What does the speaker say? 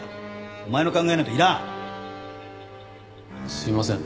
すいません。